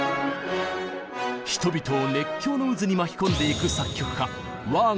人々を熱狂の渦に巻き込んでいく作曲家あ